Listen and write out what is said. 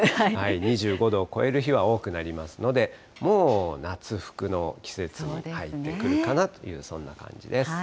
２５度を超える日は多くなりますので、もう夏服の季節に入ってくるかなという、そんな感じです。